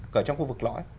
cở trong khu vực lõi